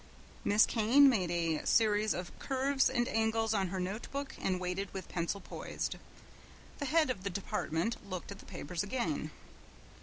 Miss Kane made a series of curves and angles on her note book and waited with pencil poised. The head of the department looked at the papers again.